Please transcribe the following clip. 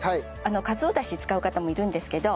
かつおだし使う方もいるんですけど